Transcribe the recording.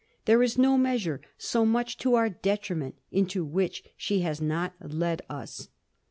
There is no measure so much to our detriment into which she has not led us."